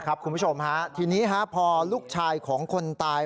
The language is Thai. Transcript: คุณผู้ชมฮะทีนี้พอลูกชายของคนตาย